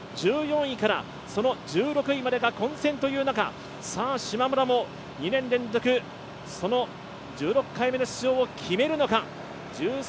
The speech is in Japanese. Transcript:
１４位から１６位までが混戦という中しまむらも、２年連続１６回目の出場を決めるのか。